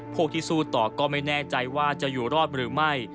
พวกที่สู้ต่อก็ไม่แน่ใจว่าจะอยู่รอดหรือไม่